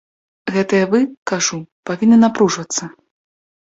Гэтыя вы, кажу, павінны напружвацца.